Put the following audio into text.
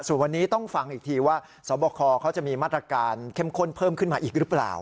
ส่วนวันนี้ต้องฟังอีกทีว่าสวบคเขาจะมีมาตรการเข้มข้นเพิ่มขึ้นมาอีกหรือเปล่า